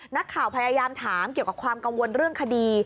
นักข่าวพยายามถามเกี่ยวกับความกังวลเรื่องคดี